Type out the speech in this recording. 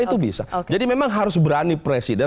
itu bisa jadi memang harus berani presiden